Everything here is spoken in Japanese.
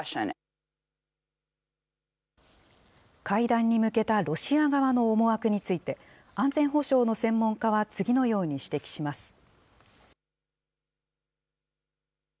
会談に向けたロシア側の思惑について、安全保障の専門家は、次のように指摘します。